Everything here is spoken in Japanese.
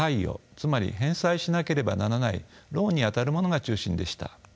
つまり返済しなければならないローンにあたるものが中心でした。